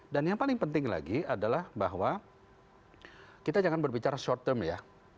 dan yang paling penting lagi adalah bahwa kita jangan berbicara short term ya